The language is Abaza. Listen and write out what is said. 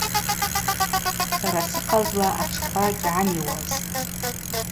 Сара сыхъазла атшква гьгӏамиуазтӏ.